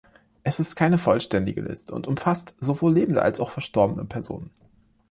Es ist keine vollständige Liste, und umfasst sowohl lebende, als auch verstorbene Personen.